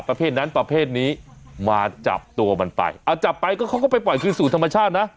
ประเภทนั้นประเภทนี้มาจับตัวมันไปเอาจับไปก็เขาก็ไปปล่อยคืนสู่ธรรมชาตินะ